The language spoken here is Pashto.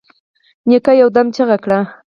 نيکه يودم چيغه کړه.